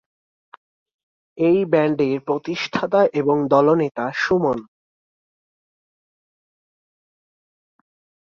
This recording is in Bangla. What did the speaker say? এই ব্যান্ডের প্রতিষ্ঠাতা এবং দলনেতা সুমন।